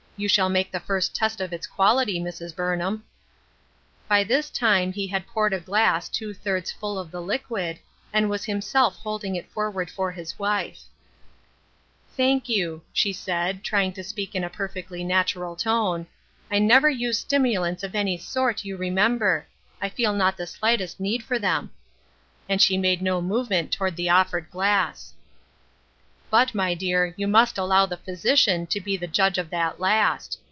You shall make the first test of its quality, Mrs. Burnham." By this time he had poured a glass two thirds full of the liquid, and was himself holding it for ward for his wife. 110 THE OLD QUESTION. " Thank you," she said, trying to speak in a perfectly natural tone, " I never use stimulants of any sort, you remember ; I feel not the slightest need for them," and she made no movement toward the offered glass. " But, my dear, you must allow the physician to be the judge of that last.